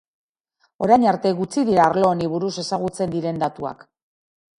Orain arte gutxi dira arlo honi buruz ezagutzen diren datuak.